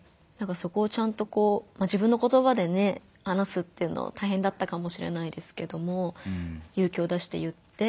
そこをちゃんとこう自分の言葉でね話すっていうのは大変だったかもしれないですけども勇気を出して言って。